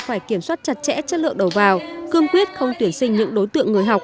phải kiểm soát chặt chẽ chất lượng đầu vào cương quyết không tuyển sinh những đối tượng người học